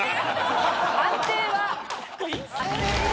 判定は？